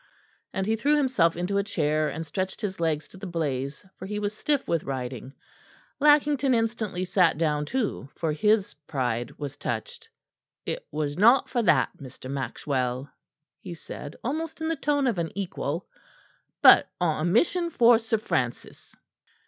and he threw himself into a chair and stretched his legs to the blaze, for he was stiff with riding. Lackington instantly sat down too, for his pride was touched. "It was not for that, Mr. Maxwell," he said almost in the tone of an equal, "but on a mission for Sir Francis."